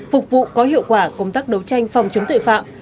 phục vụ có hiệu quả công tác đấu tranh phòng chống tội phạm